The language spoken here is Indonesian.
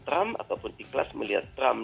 trump ataupun ikhlas melihat trump